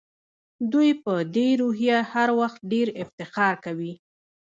دوی په دې روحیه هر وخت ډېر افتخار کوي.